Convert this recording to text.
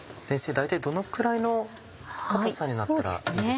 大体どのくらいの硬さになったらいいですか？